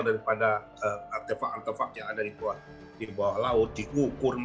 daripada artefak artefak yang ada di bawah laut dikukur